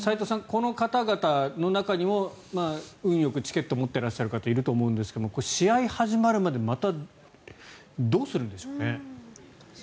この方々の中にも運よくチケットを持っていらっしゃる方いると思うんですが試合が始まるまでどうするんでしょうね。